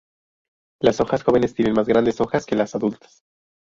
Las hojas jóvenes tienen más grandes hojas que las adultas.